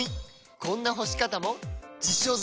こんな干し方も実証済！